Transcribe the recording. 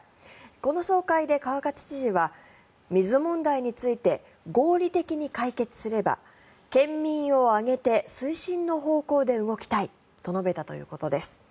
この総会で川勝知事は水問題について合理的に解決すれば県民を挙げて推進の方向で動きたいと述べたということです。